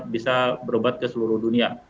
bisa berobat ke seluruh dunia